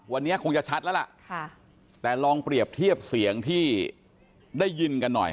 วันนี้คงจะชัดแล้วล่ะแต่ลองเปรียบเทียบเสียงที่ได้ยินกันหน่อย